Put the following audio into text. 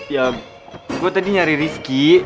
ya gue tadi nyari rizky